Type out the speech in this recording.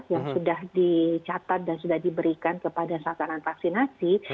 yang sudah dicatat dan sudah diberikan kepada sasaran vaksinasi